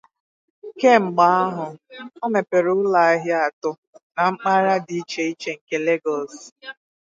Kemgbe ahụ, ọ mepere ụlọ ahịa atọ na mpaghara dị iche iche nke Lagos.